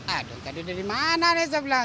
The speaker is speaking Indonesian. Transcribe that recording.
aduh tadi dari mana nih saya bilang